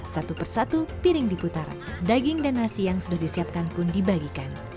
satu persatu piring diputar daging dan nasi yang sudah disiapkan pun dibagikan